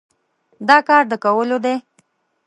دا کار د کولو دی؟